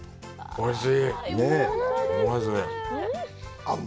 おいしい。